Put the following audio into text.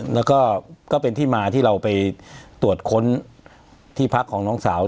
แล้วก็ก็เป็นที่มาที่เราไปตรวจค้นที่พักของน้องสาว